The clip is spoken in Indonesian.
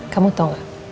kamu tau gak